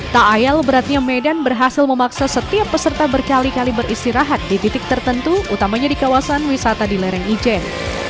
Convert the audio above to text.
tak ayal beratnya medan berhasil memaksa setiap peserta berkali kali beristirahat di titik tertentu utamanya di kawasan wisata di lereng ijen